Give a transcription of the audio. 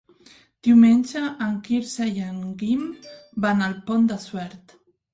Diumenge en Quirze i en Guim van al Pont de Suert.